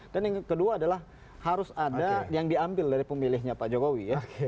dan yang kedua adalah harus ada yang diambil dari pemilihnya pak jokowi ya